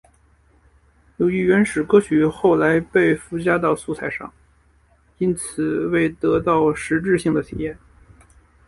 由于原始歌曲后来被附加到素材上，因此未得到实质性的体现。